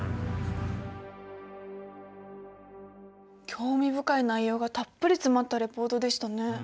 興味深い内容がたっぷり詰まったリポートでしたね。